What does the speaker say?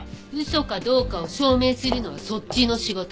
嘘かどうかを証明するのはそっちの仕事。